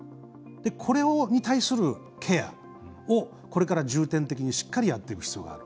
これに対するケアをこれから重点的にしっかり、やっていく必要がある。